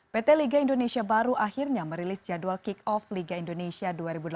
pt liga indonesia baru akhirnya merilis jadwal kick off liga indonesia dua ribu delapan belas